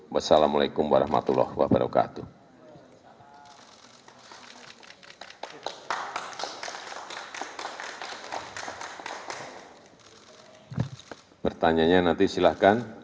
wassalamu'alaikum warahmatullahi wabarakatuh